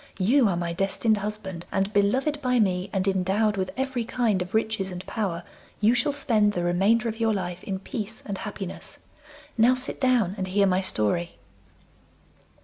You are my destined husband, and, beloved by me, and endowed with every kind of riches and power, you shall spend the remainder of your life in peace and happiness. Now sit down and hear my story.